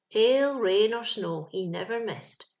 Hail, rain, or snow, he never missed.